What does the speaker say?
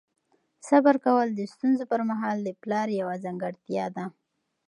صبر کول د ستونزو پر مهال د پلار یوه ځانګړتیا ده.